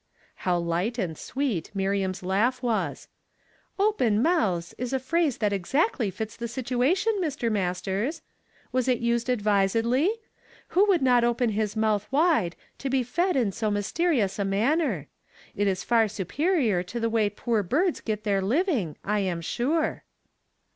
How light and sweet Miriam's laugh was' "'Open mouths' is a phrase that exactly tits the situation, Mr. Mix.stei s. Was it used advisedly'^ W ho would not oi)en his mouth wide, to he fed m so mysterious a manner? It is far superior to the way the poor birds get their living, I am sure.